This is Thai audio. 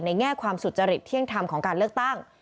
แง่ความสุจริตเที่ยงธรรมของการเลือกตั้ง